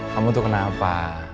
kamu tuh kenapa